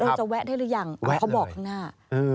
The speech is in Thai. เราจะแวะได้หรือยังเขาบอกหน้า